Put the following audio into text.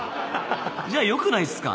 じゃあよくないっすか？